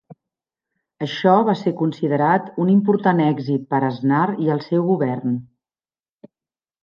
Això va ser considerat un important èxit per Aznar i el seu govern.